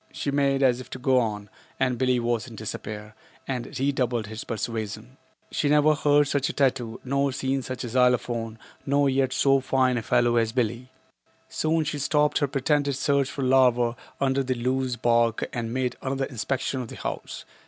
She made as if to go on, and Billie was in despair, and redoubled his persuasion. She had never heard such a tattoo, nor seen such a 186 xylophone, nor yet so fine a fellow as Billie. Soon she stopped her pretended search for larvae under the loose bark and made another inspection of the house.